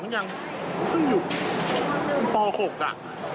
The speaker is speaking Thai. มันยังเพิ่งอยู่ป๖อ่ะ